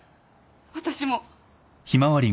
私も。